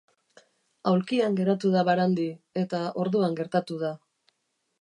Aulkian geratu da Barandi, eta orduan gertatu da.